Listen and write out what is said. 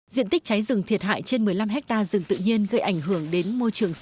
diện tích cháy rừng thiệt hại trên một mươi năm hectare rừng tự nhiên gây ảnh hưởng đến môi trường sinh sản